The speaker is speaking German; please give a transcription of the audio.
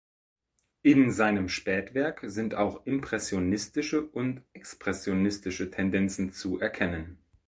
In seinem Spätwerk sind auch impressionistische und expressionistische Tendenzen zu erkennen.